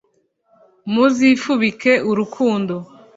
muzifubike urukundo